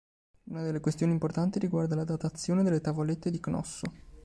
Una delle questioni importanti riguarda la datazione delle tavolette di Cnosso.